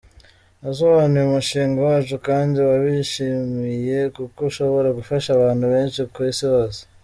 Nasobanuye umushinga wacu kandi bawishimiye kuko ushobora gufasha abantu benshi ku isi hose.